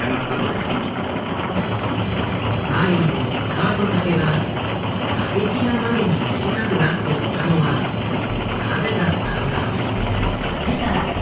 マリーのスカート丈が過激なまでに短くなっていったのはなぜだったのだろう？